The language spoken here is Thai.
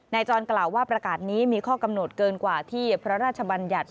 จรกล่าวว่าประกาศนี้มีข้อกำหนดเกินกว่าที่พระราชบัญญัติ